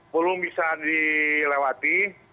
belum bisa dilewati